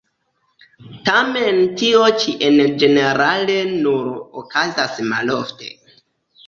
Tamen tio ĉi en ĝenerale nur okazas malofte.